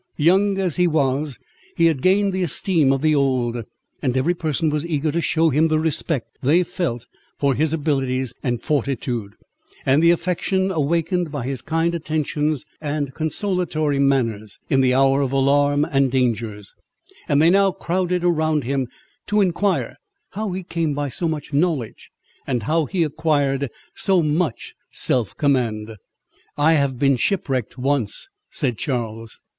Young as he was, he had gained the esteem of the old; and every person was eager to shew him the respect they felt for his abilities and fortitude, and the affection awakened by his kind attentions and consolatory manners, in the hour of alarm and dangers; and they now crowded around him, to inquire how he came by so much knowledge, and how he acquired so much self command. "I have been shipwrecked once," said Charles.